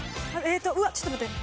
うわっちょっと待って。